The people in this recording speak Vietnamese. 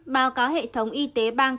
báo cáo hệ thống y tế bang